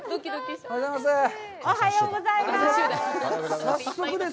おはようございます。